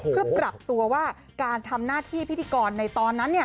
เพื่อปรับตัวว่าการทำหน้าที่พิธีกรในตอนนั้น